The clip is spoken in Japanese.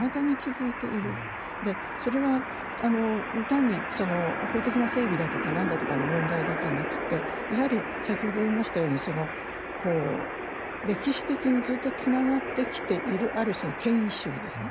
でそれは単に法的な整備だとか何だとかの問題だけじゃなくてやはり先ほど言いましたようにそのこう歴史的にずっとつながってきているある種の権威主義ですね